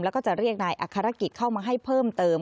แล้วก็จะเรียกนายอัครกิจเข้ามาให้เพิ่มเติม